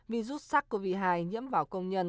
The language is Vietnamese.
virus sars cov hai nhiễm vào công nhân